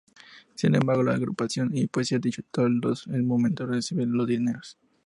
Sin embargo, la agrupación ya poseía dichos toldos al momento de recibir los dineros.